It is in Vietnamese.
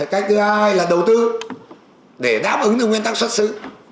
cái thứ hai là đầu tư để đáp ứng được nguyên tắc xuất xứ